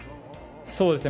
そうですね。